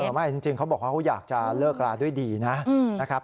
ไม่จริงเขาบอกว่าเขาอยากจะเลิกราด้วยดีนะครับ